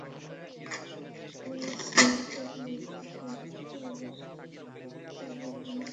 তবে সাঈদীর মামলার রায় দিতে অনেক সময় লাগবে বলে আমরা মনে করি।